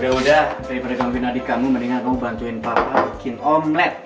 udah udah daripada gangguin adik kamu mendingan kamu bantu papa bikin omlet